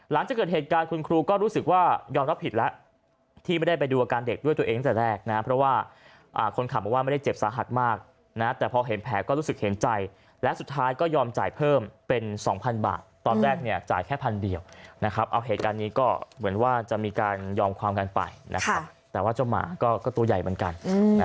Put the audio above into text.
หลังจากเกิดเหตุการณ์คุณครูก็รู้สึกว่ายอมรับผิดแล้วที่ไม่ได้ไปดูอาการเด็กด้วยตัวเองตั้งแต่แรกนะเพราะว่าคนขับบอกว่าไม่ได้เจ็บสาหัสมากนะแต่พอเห็นแผลก็รู้สึกเห็นใจและสุดท้ายก็ยอมจ่ายเพิ่มเป็น๒๐๐บาทตอนแรกเนี่ยจ่ายแค่พันเดียวนะครับเอาเหตุการณ์นี้ก็เหมือนว่าจะมีการยอมความกันไปนะครับแต่ว่าเจ้าหมาก็ตัวใหญ่เหมือนกัน